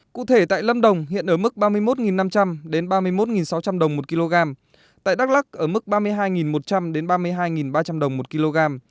cụ thể tại lâm đồng hiện ở mức ba mươi một năm trăm linh ba mươi một sáu trăm linh đồng một kg tại đắk lắc ở mức ba mươi hai một trăm linh ba mươi hai ba trăm linh đồng một kg